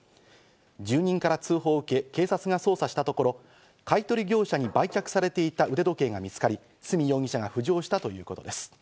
住人から通報を受け、警察が捜査したところ、買い取り業者に売却されていた腕時計が見つかり、角容疑者が浮上したということです。